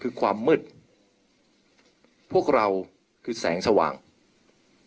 เพื่อยุดยั้งการสืบทอดอำนาจของขอสอชอต่อและยังพร้อมจะเป็นนายกรัฐมนตรี